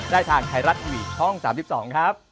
ได้ทางไทยรัฐทีวีช่อง๓๒ครับ